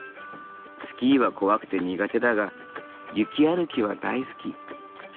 スキーは怖くて苦手だが雪歩きは大好き。